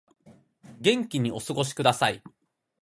元気にお過ごしください